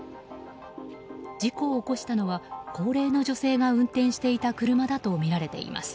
事故を起こしたのは高齢の女性が運転していた車だとみられています。